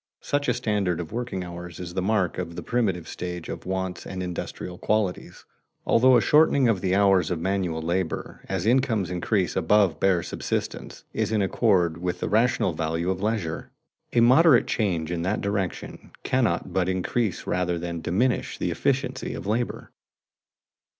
Such a standard of working hours is the mark of the primitive stage of wants and industrial qualities, although a shortening of the hours of manual labor, as incomes increase above bare subsistence, is in accord with a rational valuation of leisure. A moderate change in that direction cannot but increase rather than diminish the efficiency of labor.